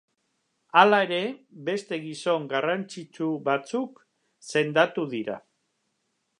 Hala ere, beste gizon garrantzitsu batzuk sendatu dira.